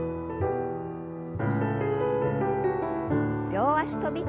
両脚跳び。